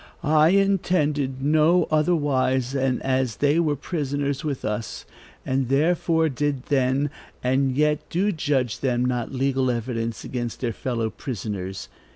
"I intended no otherwise than as they were prisoners with us, and therefore did then, and yet do judge them not legal evidence against their fellow prisoners.